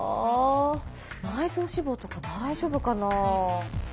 内臓脂肪とか大丈夫かな。